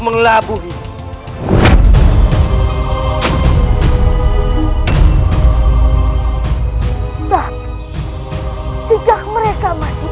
sengaja memarahi mereka nanti